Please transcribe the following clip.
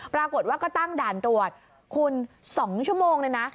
ปรากฏว่าก็ตั้งด่านตรวจคุณ๒ชั่วโมงเลยนะ